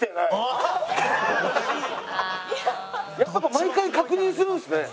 毎回確認するんですね？